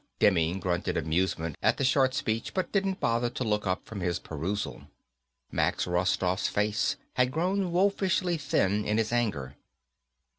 Demming grunted amusement at the short speech, but didn't bother to look up from his perusal. Max Rostoff's face had grown wolfishly thin in his anger.